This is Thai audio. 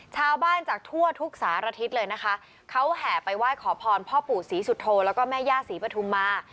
ชาวบ้านจากทั่วทุกสารทิศเลยนะคะเขาแห่ไปไหว้ขอพรพ่อปู่ศรีสุโธแล้วก็แม่ย่าศรีปฐุมมา